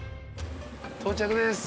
到着です。